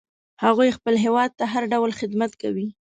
هغوی خپل هیواد ته هر ډول خدمت کوي